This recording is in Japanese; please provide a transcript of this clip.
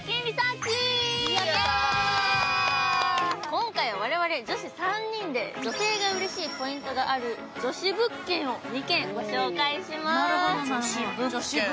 今回、我々女子３人で女性がうれしいポイントがある女子物件を２軒、ご紹介します。